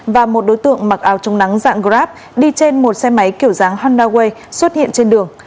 và một đối tượng mặc áo trông nắng dạng grab đi trên một xe máy kiểu dáng honda way xuất hiện trên đường